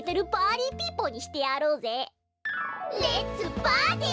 レッツパーティー！